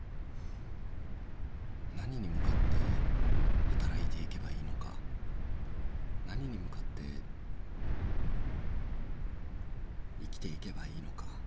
何に向かって働いていけばいいのか何に向かって生きていけばいいのか。